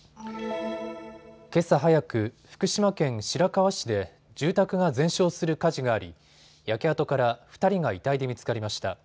けさ早く、福島県白河市で住宅が全焼する火事があり焼け跡から２人が遺体で見つかりました。